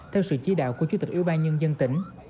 theo sự chỉ đạo của chủ tịch ủy ban nhân dân tỉnh